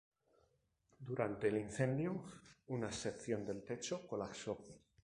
Durante el incendio, una sección del techo colapsó.